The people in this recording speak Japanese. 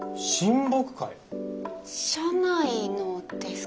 社内のですか？